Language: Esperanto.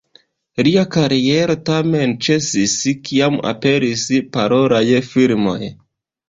Lia kariero tamen ĉesis, kiam aperis parolaj filmoj.